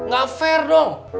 gak fair dong